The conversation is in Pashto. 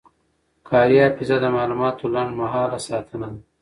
کاري حافظه د معلوماتو لنډمهاله ساتنه ده.